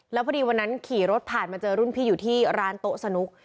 แล้วพอดีวันนั้นขี่รถผ่านมาเจอรุ่นพี่อยู่ที่ร้านโต๊ะสนุก